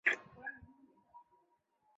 近圆粉虱为粉虱科迷粉虱属下的一个种。